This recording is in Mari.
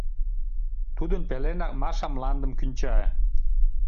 Тудын пеленак Маша мландым кӱнча.